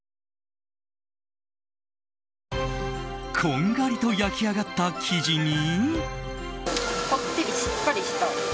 こんがりと焼き上がった生地に。